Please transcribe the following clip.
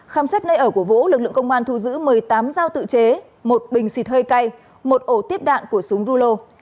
khám xét nơi ở của vũ lực lượng công an thu giữ một mươi tám dao tự chế một bình xịt hơi cay một ổ tiếp đạn của súng rulo